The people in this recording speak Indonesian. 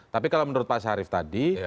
tapi kalau menurut pak syarif tadi